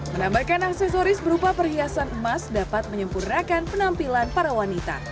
menambahkan aksesoris berupa perhiasan emas dapat menyempurnakan penampilan para wanita